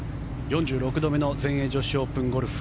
４６度目の全英女子オープンゴルフ。